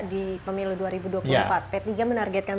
di pemilu dua ribu dua puluh empat p tiga menargetkan